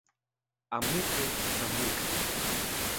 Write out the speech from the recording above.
А муки — за муки!